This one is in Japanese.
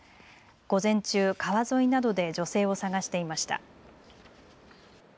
午前中、川沿いなどで女性を捜していました。